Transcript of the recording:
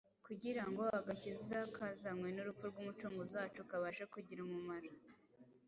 kugira ngo agakiza kazanywe n’urupfu rw’Umucunguzi wacu kabashe kugira umumaro.